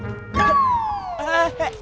tunggu bentar ya kakak